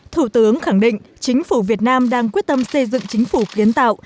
thủ tướng khẳng định chính phủ việt nam đang quyết tâm xây dựng chính phủ kiến tạo